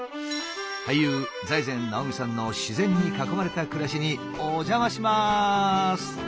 俳優財前直見さんの自然に囲まれた暮らしにお邪魔します！